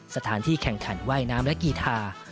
สถานที่แข่งขันว่ายน้ำและกีธา